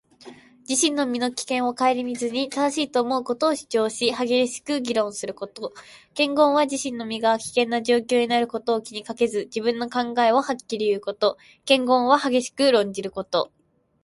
自分の身の危険を顧みずに、正しいと思うことを主張し、激しく議論すること。「危言」は自身の身が危険な状況になることを気にかけずに、自分の考えをはっきりと言うこと。「覈論」は激しく論じること。